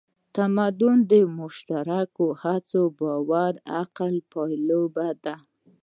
تمدن د مشترکو هڅو، باور او عقل پایله ده.